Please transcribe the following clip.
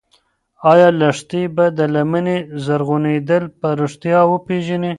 ایا لښتې به د لمنې زرغونېدل په رښتیا وپېژني؟